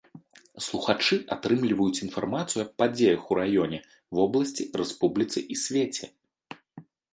Слухачы атрымліваюць інфармацыю аб падзеях у раёне, вобласці, рэспубліцы і свеце.